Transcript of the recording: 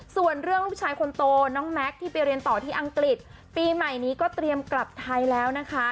ส่วนเรื่องลูกชายคนโตน้องแม็กซ์ที่ไปเรียนต่อที่อังกฤษปีใหม่นี้ก็เตรียมกลับไทยแล้วนะคะ